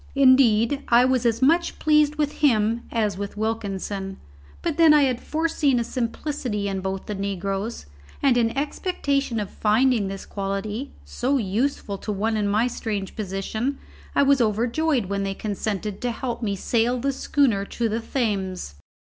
Indeed, I was as much pleased with him as with Wilkinson, but then I had foreseen a simplicity in both the negroes, and in expectation of finding this quality, so useful to one in my strange position, I was overjoyed when they consented to help me sail the schooner to the Thames.